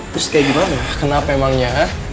terus kayak gimana kenapa emangnya ah